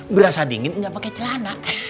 berasa dingin gak pake celana